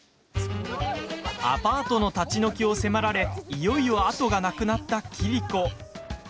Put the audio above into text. アパートの立ち退きを迫られいよいよ後がなくなった桐子。